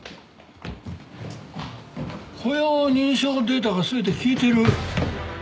歩容認証データが全て消えてる。